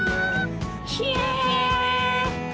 ひえ！